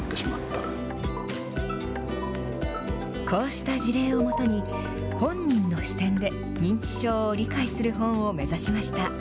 こうした事例を基に、本人の視点で、認知症を理解する本を目指しました。